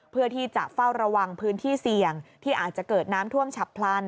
เพื่อที่จะเฝ้าระวังพื้นที่เสี่ยงที่อาจจะเกิดน้ำท่วมฉับพลัน